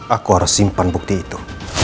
aku harus simpan bukti itu